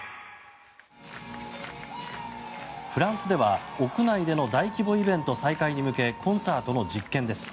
フランスでは屋内での大規模イベント再開に向けてコンサートの実験です。